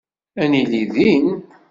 Ad nili din.